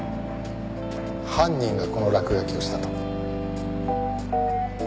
犯人がこの落書きをしたと？